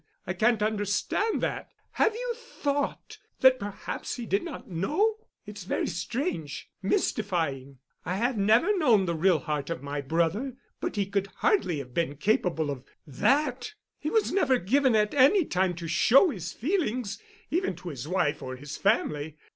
I can't understand that. Have you thought—that perhaps he did not know? It's very strange, mystifying. I have never known the real heart of my brother, but he could hardly have been capable of that. He was never given at any time to show his feelings—even to his wife or his family.